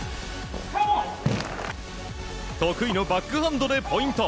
得意のバックハンドでポイント。